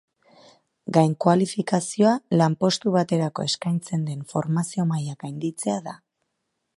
Gainkualifikazioa lanpostu baterako eskatzen den formazio maila gainditzea da.